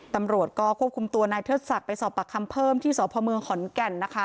ตำรวจก็ควบคุมตัวนายเทิดศักดิ์ไปสอบปากคำเพิ่มที่สพเมืองขอนแก่นนะคะ